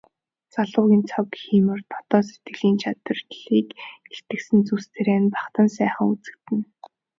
Залуугийн цог хийморь дотоод сэтгэлийн чадлыг илтгэсэн зүс царай нь бахдам сайхан үзэгдэнэ.